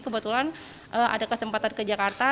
kebetulan ada kesempatan ke jakarta